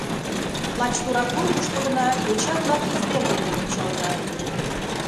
Лач тура курыкышто гына йоча-влак издер дене мунчалтат.